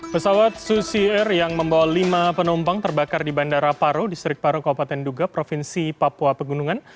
pesawat susier yang membawa lima penumpang terbakar di bandara paro distrik paro kepala tenduga provinsi papua pegunungan